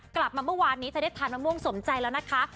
กลับมาเมื่อวานนี้จะได้ทานมะม่วงสมใจแล้วนะคะ